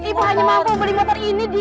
ibu hanya mampu beli motor ini